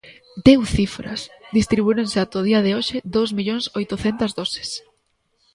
Deu cifras: distribuíronse ata o día de hoxe dous millóns oitocentas doses.